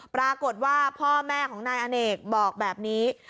ปรากฏว่าพ่อแม่ของนายอเนกบอกแบบนี้